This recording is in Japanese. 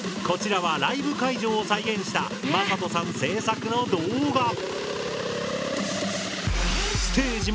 こちらはライブ会場を再現したまさとさん制作の動画。